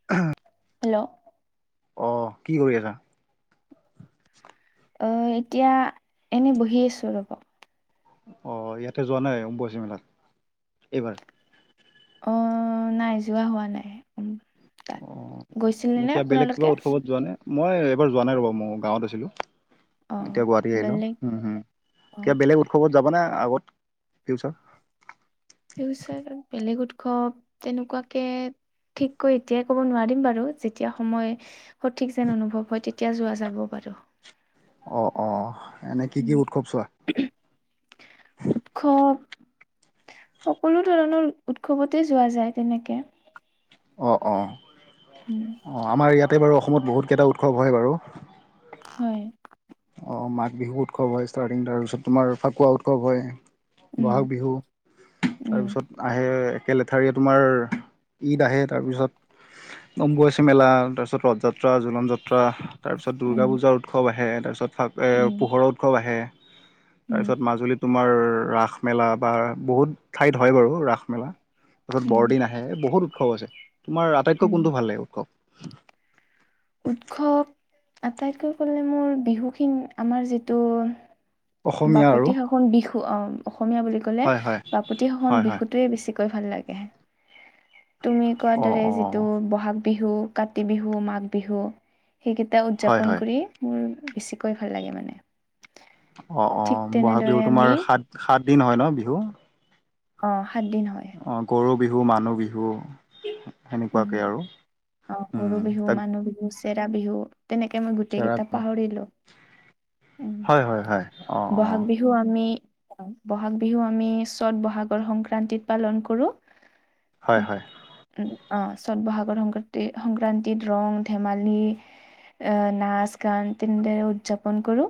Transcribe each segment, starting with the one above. [unintelligible] Hello অ কি কৰি আছা? অ এতিয়া এনে বহি আছোঁ ৰ'বক। অ ইয়াতে যোৱা নাই অম্বুবাচী মেলাত এইবাৰ? অ নাই যোৱা হোৱা নাই উম তাত। অ এনে গৈছিলিনে কিবা বেলেগ কিবা আপোনালোকে? উৎসৱত যোৱা নে মই এইবাৰ যোৱা নাই ৰ'বা মও গাঁৱত আছিলো। অ এতিয়া গুৱাহাটী আইলো। বেলেগ উম উম। অ এতিয়া বেলেগ উৎসৱত যাব নে আগত ফিউচাৰ। ফিউচৰত বেলেগ উৎসৱ তেনেকুৱাকে ঠিককৈ এতিয়াই ক'ব নোৱাৰিম বাৰু যেতিয়া সময় সঠিক যেন অনুভৱ হয় তেতিয়া যোৱা যাব বাৰু। অ অ এনে কি উম, কি উৎসৱ চোৱা? উৎসৱ সকলো ধৰণৰ উৎসৱতে যোৱা যায় তেনেকে। অ অ। উম। অ আমাৰ ইয়াতে বাৰু অসমত বহুতকেইটা উৎসৱ হয় বাৰু। হয়। অ মাঘ বিহু উৎসৱ হয় ষ্টাৰ্টিং তাৰপিছত তোমাৰ ফাকুৱা উৎসৱ হয়। উম বহাগ বিহু উম তাৰপিছত আহে একেলেঠাৰীয়ে তোমাৰ ঈদ আহে তাৰপিছত অম্বুবাচী মেলা তাৰপিছত ৰথযাত্ৰা জলন যাত্ৰ ত্ৰা, তাৰপিছত দুৰ্গা উম পূজাৰ উৎসৱ আহে তাৰপিছত ফা এ উম পোহৰৰ উৎসৱ আহে। উম তাৰপিছত মাজুলীত তোমাৰ ৰাস মেলা বা বহুত ঠাইত হয় বাৰু ৰাস মেলা। পাছত উম বৰদিন আহে বহুত উৎসৱ আছে তোমাৰ উম আটাইতকৈ কোনটো ভাল লাগে উৎসৱ। উৎসৱ আটাইতকৈ ক'লে মোৰ বিহুখিনি আমাৰ যিটো অসমীয়া আৰু বাপতি সাহন বিহু অ অসমীয়া বুলি ক'লে হয় হয় বাপতি সাহন হয় হয় বিহুত টোৱে বেছিকৈ ভাল লাগে, তুমি কোৱাৰ অ দৰে অ যিটো বহাগ বিহু কাতি বিহু মাঘ বিহু সেইকেইটা হয় উদযাপন হয় কৰি মোৰ বেছিকৈ ভাল লাগে মানে। অ অ ঠিক বহাগ তেনেদৰে বিহু আমি তোমাৰ সাত সাত দিন হয় ন বিহু। অ সাত দিন হয়। অ গৰু বিহু, মানুহ বিহু সেনেকুৱাকে আৰু ও উম গৰু বিহু, তাক মানুহ বিহু, চেৰা বিহু তেনেকে মই গোটেই চেৰা কেইটা পাহৰিলো। উ হয় হয় হয় অ অ বহাগ বিহ হু আমি বহাগ বিহু আমি চত বহাগৰ সংক্ৰান্তিত পালন কৰো। হয় হয়। উ অ চত বহাগৰ সংক্ৰান্তি সংক্ৰান্তিত ৰং ধেমালি এ নাচ গান তেনেদৰে উদযাপন কৰো।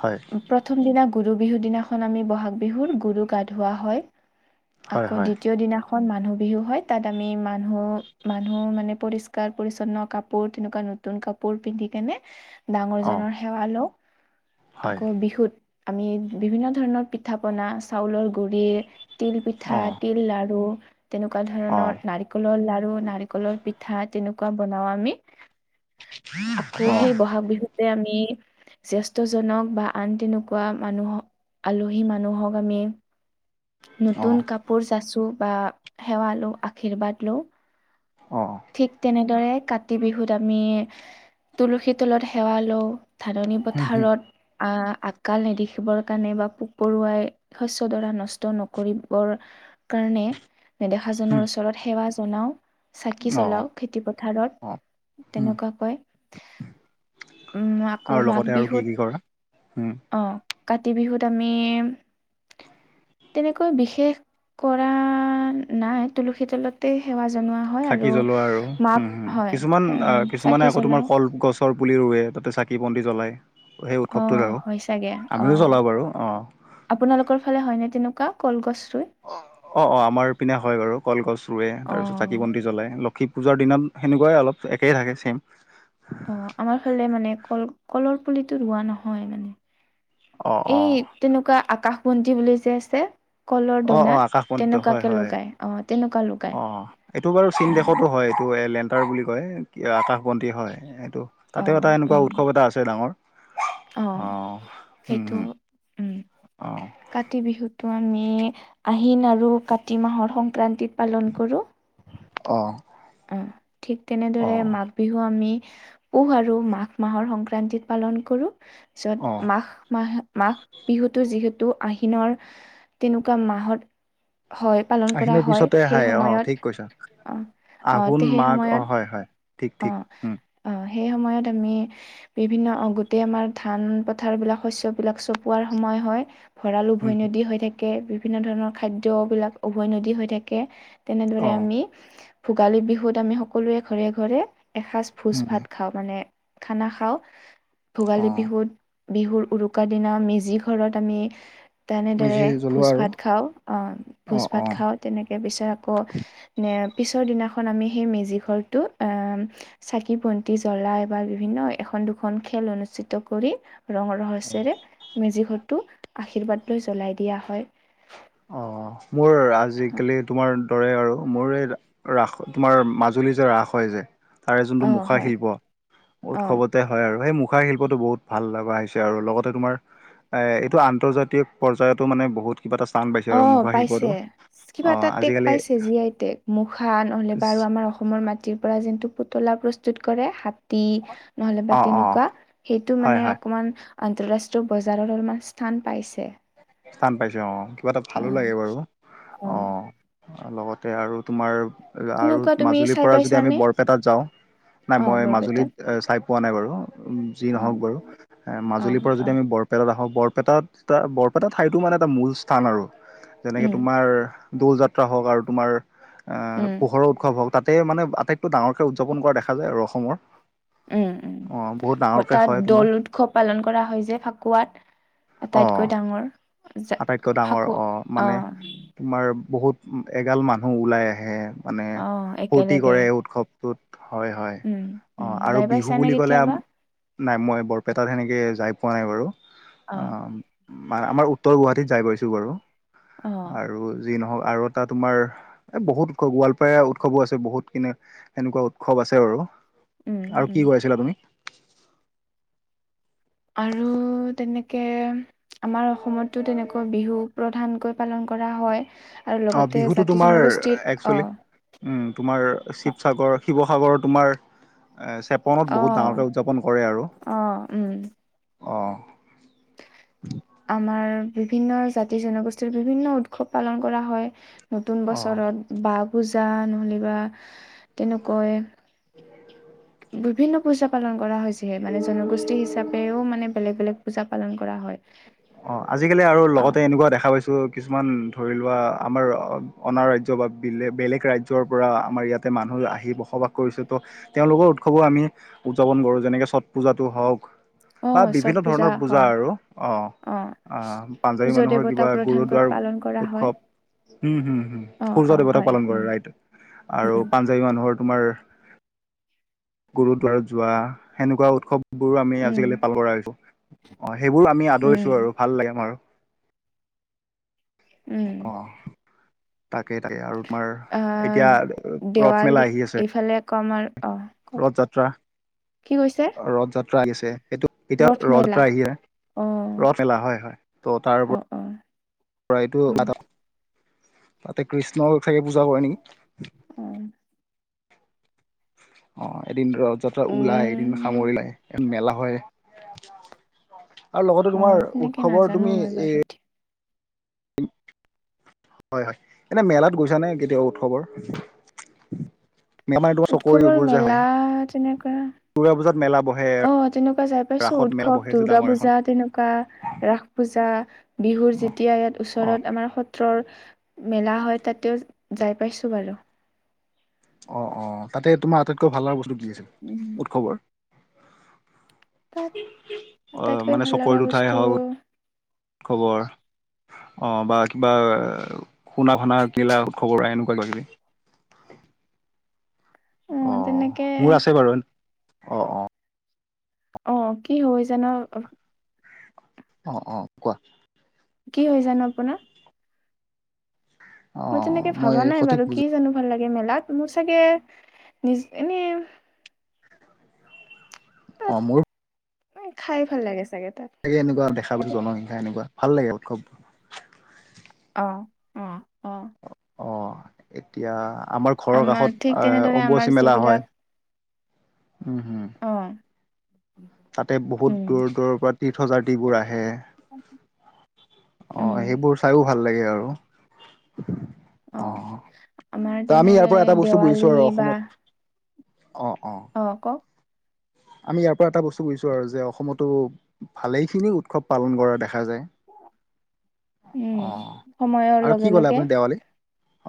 হয়। প্ৰথম দিনা গৰু বিহু দিনাখন আমি বহাগ বিহুৰ গুৰু গা ধুৱা হয়। হয় আকৌ হয় দ্বিতীয় দিনাখন মানুহ বিহু হয় তাত আমি মান মানু মানুহ মানে পৰিষ্কাৰ পৰিচ্ছন্ন কাপোৰ তেনেকুৱা নতুন কাপোৰ পিন্ধি কেনে অ ডাঙৰজনৰ সেৱা লওঁ। হয়। আকৌ বিহুত আমি বিভিন্ন ধৰণৰ পিঠা পনা চাউলৰ গুৰি, তিল পিঠা, অ তিল লাৰু তেনেকুৱা অ ধৰণৰ নাৰি কলৰ লাৰু, নাৰিকলৰ পিঠা তেনেকুৱা বনাও আমি। আকৌ অ সেই বহাগ বিহুতে আমি জ্যেষ্ঠজনক বা আন তেনেকুৱা মানুহক আলহী মানুহক আমি অ নতুন কাপোৰ চাচো বা সেৱা লওঁ, আশীৰ্বাদ লওঁ। অ ঠিক তেনেদৰে কাত কাতি বিহুত আমি তুলসী তলত সেৱা লওঁ ধাননি হুম হুম পথাৰত আহ, আকাল নেদেখিবৰ কাৰণে বা পোক পৰুৱাই শস্য ডৰা নষ্ট নকৰিবৰ কাৰণে হুম নেদেখাজনৰ ওচৰত সেৱা জনাও। চাকি অ জ্বলাও, খেতি অ পথাৰত হুম তেনেকুৱাকৈ। উম, আকৌ আৰু মাঘ লগতে আৰু কি বিহুত কি কৰা হুম অ', কাতি বিহুত আমি তেনেকৈ বিশেষ কৰা নাই, তুলসী তলতে সেৱা জনোৱা হয় আৰু থাকি জ্বলোৱা আৰু মাপ উম, উম হয় কিছুমান অ', চাকি কিছুমানে আকৌ তোমাৰ জ্বলাও কলগছ [unintelligible] পুলি ৰুৱে তাতে চাকি বন্তি জ্বলাই সেই অ উৎসৱটোত আৰু হয় চাগে আমিও অ জ্বলাওঁ বাৰু অ'। আপোনালোকৰ ফালে হয়নে তেনেকুৱা কলগছ ৰুই? অ', অ', আমাৰ পিনে হয় বাৰু কলগছ ৰুৱে তাৰপিছত চাক কি অ', বন্তি জ্বলাই লক্ষী পূজাৰ দিনত সেনেকুৱাই অলপ একেই থাকে ছেম। অ', আমাৰ ফালে মানে কল কলৰ পুলিটো ৰোৱা নহয় অ মানে অ এই তেনেকুৱা আকাশ বন্তি বুলি যে আছে কলৰ অ অ দনাত আকাশ বন্তিটো হয় তেনেকুৱাকে হয় লগায়। অ', তেনেকুৱা অ লুকায় এইটো বাৰু চীন অ'। দেশতো হয়, এইটো এ লেণ্টাৰ বুলি কয় আকাশ বন্তি হয়, সেইটো তাতেও অ', এটা এনেকুৱা উম, উৎসৱ এটা আছে ডাঙৰ। অ', হুম সেইটো হুম উম। অ কাতি বিহুটো আমি আহিন আৰু কাতি মাহৰ সংক্ৰান্তিত পালন কৰোঁ। অ'। অ', ঠিক অ তেনেদৰে মাঘ বিহু আমি পুহ আৰু মাঘ মাহৰ সংক্ৰান্তিত পালন কৰোঁ অ পিছত মাঘ মাহ মাঘ বিহুটো যিহেতু আহিনৰ তেনেকুৱা মাহত হয়। পালন কৰা আহিনৰ হয় পিছতে সেই আহাই অ', ঠিক সময়ত কৈছা। অ', অ', আঘোণ, সেই মাঘ অ', সময়ত হয়, হয় ঠিক, অ', ঠিক। উম অ', সেই সময়ত আমি বিভিন্ন অ', আমাৰ ধান পথাৰবিলাক শস্যবিলাক চপোৱাৰ সময় হয়। ভঁৰাল উম উভৈনদী হৈ থাকে বিভিন্ন ধৰণৰ খাদ্যবিলাক উভৈনদী হৈ থাকে। তেনেদৰে অ আমি ভোগালী বিহুত আমি সকলোৱে ঘৰে ঘৰে এসাজ ভোজ উম ভাত খাওঁ, মানে খানা খাওঁ, অ ভোগালী বিহুত বিহুৰ উৰুকা দিনা মেজি ঘৰত আমি তেনেদৰে মেজি ভোজ জ্বলোৱা আৰু ভাত খাওঁ অ', অ ভোজ ভাত অ খাওঁ। তেনেকে পিছত আকৌ নে পিছৰ দিনাখন আমি সেই মেজিঘৰটো এ চাকি বন্তি জ্বলাই বা বিভিন্ন এখন, দুখন খেল অনুষ্ঠিত কৰি ৰং ৰহচেৰে মেজি ঘৰটো আশীৰ্বাদ লৈ জ্বলাই দিয়া হয়। অঁ মোৰ আজিকালি তোমাৰ তৰে আৰু মোৰ এই ৰাস তোমাৰ মাজুলী যে ৰাস হয় যে তাৰে যোনটো অ হয় মুখাশিল্প অ উৎসৱত তে হয় আৰু সেই মুখাৰ শিল্পটো বহুত ভাল লগা হৈছে আৰু লগতে তোমাৰ এ এইটো আন্তজাতীয় পৰ্যায়তো মানে বহুত কিবা এটা স্থান পাইছে অ আৰু মুখা পাইছে শিল্পতো। কিবা এটা টেক পাইচো জী আই টেক, মুখা নহ'লে বা আৰু আমাৰ অসমৰ মা মাটিৰ পৰা যোনটো পুতলা প্ৰস্তুত কৰে হাত টি নহলে বা অ অ তেনেকুৱা সেইটো হয় মানে হয় অকমান আন্তঃৰাষ্ট্ৰীয় বজাৰৰ অলপমান স্থান পাইছে। স্থান পাইছে অঁ কিবা এটা অ ভালো লাগে বাৰু অ অঁ। লগতে আৰু তোমাৰ আৰু তেনেকুৱা তুমি মাজুলীৰ চাই পৰা যদি আমি পাইছানে বৰপেটাত যাওঁ নাই অ মই মাজুলীত বৰপেটাত চাই পোৱা নাই বাৰু, যি অ নহওক বাৰু এ অ মাজুলীৰ পৰা অ যদি আমি বৰ পেটাত আহো, বৰপেটাত এটা বৰপেটা ঠাইতো মানে এটা মূল স্থান আৰু, যেনেকে উম তোমাৰ দৌল যাত্ৰা হওক আৰু তোমাৰ এ উম পোহৰৰ উৎসৱ হওক তাতে মানে আটাইতৈ ডাঙৰকে উদযাপন কৰা দেখা যায় আৰু অসমৰ। উম উম অঁ বহুত হ ডাঙৰকে তাত হয় দৌল তোমাৰ। উৎসৱ পালন কৰা হয় যে ফাকুৱাত অ আটাইতকৈ ডাঙৰ। জা- আটাইতকৈ ডাঙৰ ফাকু অ, মানে তোমাৰ বহুত এগাল মানুহ ওলাই আহে। মানে অ ফূৰ্তি একেলগে কৰে উৎসৱ টোত হয় হয় উম, উম, অঁ আৰু যাই বিহু পাইছানে বুলি ক'লে আ কেতিয়াবা? নাই মই বৰপেটাত সেনেকে যায় পোৱা নাই বাৰু। অ', অহ আমাৰ উট্ উত্তৰ গুৱাহাটীত যায় পাইছোঁ বাৰু। অ', আৰু যি নহওক আৰু এটা তোমাৰ এ বহুত উৎসৱ গোৱালপাৰ উৎসৱো আছে বহুত কিনে সেনেকুৱা উৎসৱ আছে আৰু। উম, আৰু উম। কি কৈ আছিলা তুমি? আৰু তেনেকে আমাৰ অসমতো তেনেকৈ বিহু প্ৰধানকৈ পালন কৰা হয়। আৰু অ লগতে বিহুতো জাতি তোমাৰ জনগোষ্ঠীৰ অঁ একচুৱেলি তোমাৰ শিৱসাগৰ শিৱসাগৰ তোমাৰ এ চেপনত বহুত অ', ডাঙৰকে উদযাপন কৰে আৰু অ', উম। অঁ। আমাৰ বিভিন্ন জাতি জনগোষ্ঠীৰ বিভিন্ন উৎসৱ পালন কৰা হয়। নতুন অ বছৰত বা পূজা নহ'লে বা তেনেকৈ বিভিন্ন পূজা পালন কৰা হয় যিহে মানে জনগোষ্ঠী হিচাপেও মানে বেলেগ বেলেগ পূজা পালন কৰা হয়। অঁ আজিকালি আৰু লগতে অ', এনেকুৱা দেখা পাইছো কিছুমান ধৰি লোৱা আমাৰ অনা ৰাজ্য বা বিলে বেলেগ ৰাজ্যৰ পৰা আমাৰ ইয়াত তে মানুহ আহি বসবাস কৰিছে ত তেওঁলোকৰ উৎসৱো আমি উদযাপন কৰোঁ, যেনেকে ছট পূজাতটো হওক অ', বা ছট বিভিন্ন ধৰণৰ পূজা হয়। আৰু অ' আহ পাঞ্জাৱী সূৰ্য মানুহৰ দেৱতাক কিবা প্ৰধানকৈ গুৰুদুৱাৰ পালন কৰা হয় উৎসৱ, উম, হম, হম, অ অ সূৰ্য দেৱতাক হয় পালন কৰে উম ৰাইত, আৰু উম পাঞ্জাৱী মানুহৰ তোমাৰ গুৰুদ্বাৰত যোৱা সেনেকুৱা উৎসৱবোৰ আমি উম আজিকালি পালন কৰা হৈছো। অ' সেইবোৰ আমি আদৰিছো উম আৰু ভাল লাগে বাৰু। উম অ', তাকেই তাকে আৰু। তোমাৰ এতিয়া আহ ৰথ মেলা দেৱালী আহি আছে এইফালে কম আৰু অ'। ক ৰথ যাত্ৰা, কি কৈছে ৰথ যাত্ৰা আহিছে সেইটোক এতিয়া ৰথ যাত্ৰা আহিছে, অ ৰথ মেলা হয়, হয় ত' তাৰ অ ওপৰত অ পৰা অ [unintelligible] তাতে কৃষ্ণ চাগে পূজা কৰে নেকি? অ অ', এদিন ৰথ যাত্ৰা ওলাই এদিন উম সামৰিলে মেলা হয়। আৰু লগতে অ তোমাৰ তেনেকে উৎসৱৰ নাজানো তুমি মই এ বাৰু [inaudible] হয়-হয়, এনে মেলাত গৈছা নে কেতিয়াাবা উৎসৱৰ। মেলা মানে তোমাৰ চকৰি উৎসৱৰ এইবোৰ যে হয় মেলা তেনেকুৱা দুৰ্গা পূজাত মেলা বহে অ', তেনেকুৱা যাই পাইছো, ৰাসত মেলা উৎসৱ, বহে যে দুৰ্গা ডাঙৰ এখন। পূজা, তেনেকুৱা ৰাস পূজা, বিহুৰ যেতিয়া ইয়াত অ ওচৰত আমাৰ সত্ৰৰ মেলা হয় তাতেও যাই পাইছোঁ বাৰু। অ', অ', তাতে তোমাৰ আটাইতকৈ ভাল বস্তু কি আছিল উম। উৎসৱৰ? তাত অ', আটাইতকৈ মানে ভাল লগা চকৰিত উঠাই বস্তু হওঁক উৎসৱৰ অ', বা কিবা শুনা, শুনা কিবা উৎসৱৰ এনেকুৱা কিবা কিবি। অ', মোৰ আছে বাৰু। অ অ অ', কি হয় জানো অ', অ', কোৱা। কি হয় জানো আপোনাৰ? অ মই অ তেনেকে মই ভবা নাই সঠিক বাৰু কি বুজো জানো ভাল লাগে মেলাত মোৰ চাগে নিজ এনেই তাত অ', মোৰ খাই ভাল লাগে চাগে তাত। লাগে এনেকুৱ দেখা পাইছোঁ জনসংখ্যা এনেকুৱা ভাল লাগে উৎসৱ। অ', অ', অ'। অ', এতিয়া আমাৰ ঘৰৰ ঠিক কাষত তেনেদৰে আমাৰ অম্বুবাচী মেলা যিবিলাক হয়। উম, হুম। অ তাতে বহুত উম দূৰৰ, দূৰৰ পৰা তীৰ্থযাত্ৰীবোৰ আহে। অ', উম সেইবোৰ চাইও ভাল লাগে আৰু। অ' অ আমাৰ ত' আমি ইয়াৰ পৰা তেনেদৰে এটা বস্তু দেৱালী বুজিছোঁ আৰু বা অসমত অ', অ'। অ', কওক। আমি ইয়াৰ পৰা এটা বস্তু বুজিছো আৰু যে, অসমতো ভালেখিনি উৎসৱ পালন কৰা দেখা যায়। উম অ', সময়ৰ আৰু লগে কি ক'লে লগে আপুনি দেৱালী?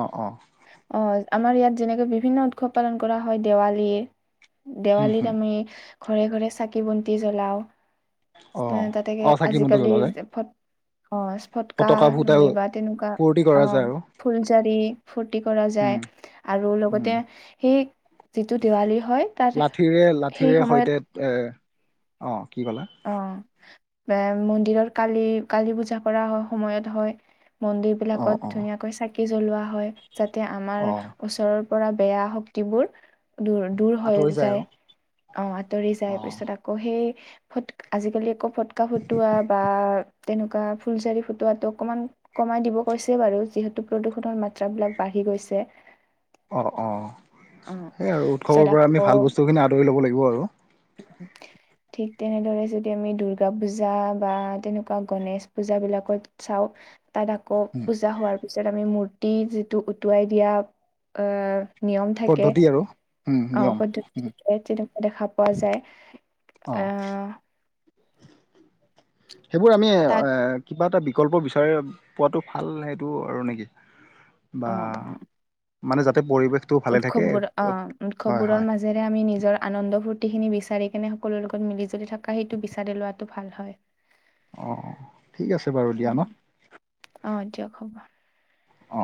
অ', অ'। অ', আমাৰ ইয়াত যেনেকৈ বিভিন্ন উৎসৱ পালন কৰা হয় দেৱালীৰ। হুম দেৱালীত হুম আমি ঘৰে, ঘৰে চাকি বন্তি জ্বলাও। অ তাতেকে অ চাকি বন্তি আজিকালি জ্বলোৱা যায় ফট অ', ফটকা নহলেবা তেনেকুৱা ফূৰ্তি কৰা যায় অ', আৰু ফুলজাৰি ফূৰ্তি কৰা উম যায়, আৰু উম লগতে সেই যিটো দেৱালী হয় তাত লাঠিৰে সেই লাঠিৰে সময়ত সৈতে এ, অ', কি কলা? অ', বা মন্দিৰত কালি, কালি পূজা কৰা হয়, সময়ত হয়। মন্দিৰ অ বিলাকত অ ধুনীয়াকৈ চাকি জ্বলোৱা হয়। যাতে আমাৰ অ ওচৰৰ পৰা বেয়া শক্তিবোৰ দুৰ দূৰ হৈ আঁতৰি যায় আৰু অ', আঁতৰি যায় অ পিছত আকৌ সেই ফট, আজিকালি আকৌ ফটকা ফুটোৱা বা, তেনেকুৱা ফুলজাৰি ফুটোৱাটো অকণমান, কমাই দিব কৈছে বাৰু যিহেতু প্ৰদূষণৰ মাত্ৰা বিলাক বাঢ়ি গৈছে। অঁ অঁ অ সেই আৰু পিছত উৎসৱৰ পৰা আমি ভাল বস্তুখিনি আদৰি ল'ব লাগিব আৰু উ [unintelligible] ঠিক তেনেদৰে যদি আমি দুৰ্গা পূজা বা তেনেকুৱা গণেশ পূজাবিলাকত চাওঁ তাত আকৌ পূজা হোৱাৰ তাৰপিছত আমি মূৰ্তি যিটো উটুৱাই দিয়া অ নিয়ম পদ্ধতি আৰু উম অ নিয়ম উম পদ্ধতি তেনেকুৱা দেখা পোৱা যায় অ আহ সেইবোৰ আমি তাত কিবা এটা বিকল্প বিচাৰি পোৱাটো ভাল সেইটো আৰু নে কি বা অ অ মানে যাতে পৰিৱেশটো ভালে থাকে হয় হয়। যেনে আমি নিজৰ আনন্দ ফূৰ্তি খিনি বিচাৰি কেনে সকলোৰ লগত মিলি জুলি থাকা সেইটো বিচাৰি লোৱাটো ভাল হয়। অঁ অঁ ঠিক আছে বাৰু দিয়া ন। উম, অ দিয়ক হ'ব। অ